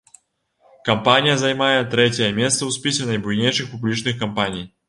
Кампанія займае трэцяе месца ў спісе найбуйнейшых публічных кампаній.